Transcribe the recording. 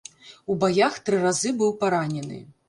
У баях тры разы быў паранены.